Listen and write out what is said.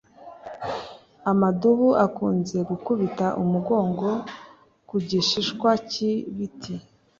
amadubu akunze gukubita umugongo ku gishishwa cyibiti